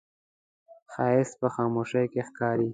ښایست په خاموشۍ کې ښکاري